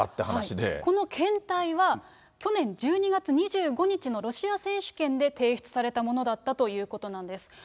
この検体は、去年１２月２５日のロシア選手権で提出されたものだったということなんです。